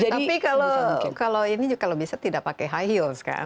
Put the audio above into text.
tapi kalau ini kalau bisa tidak pakai high heels kan